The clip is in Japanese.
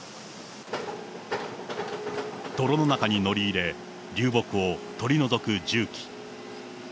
泥の中に乗り入れ、流木を取り除く重機。